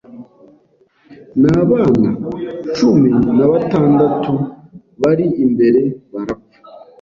n’abana cumi nabatandatu bari imbere barapfa,